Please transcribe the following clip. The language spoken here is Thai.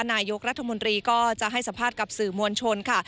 นายกรัฐมนตรีก็จะให้สัมภาษณ์กับสื่อมวลชนค่ะ